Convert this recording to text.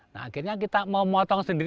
nah akhirnya kita mau motong sendiri